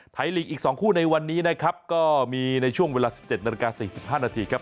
ลีกอีก๒คู่ในวันนี้นะครับก็มีในช่วงเวลา๑๗นาฬิกา๔๕นาทีครับ